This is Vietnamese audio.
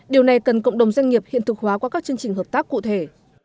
điều này cần cộng đồng doanh nghiệp hiện thực hóa qua các chương trình hợp tác cụ thể